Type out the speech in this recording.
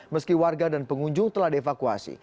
meski warga dan pengunjung telah dievakuasi